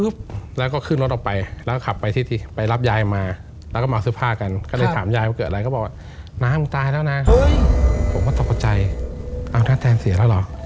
บอกว่าตกใจอ้างธุ์แทนเสียแล้วเหรอ